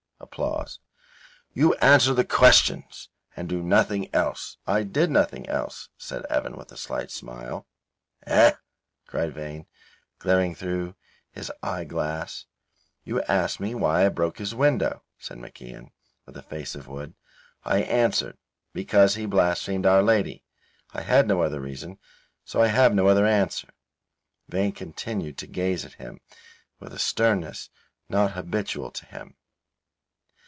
You answer the questions and do nothing else." "I did nothing else," said Evan, with a slight smile. "Eh," cried Vane, glaring through his eye glass. "You asked me why I broke his window," said MacIan, with a face of wood. "I answered, 'Because he blasphemed Our Lady.' I had no other reason. So I have no other answer." Vane continued to gaze at him with a sternness not habitual to him.